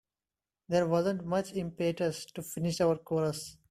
There wasn't much impetus to finish our chores.